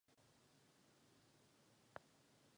Válku přežil ze své široké rodiny sám.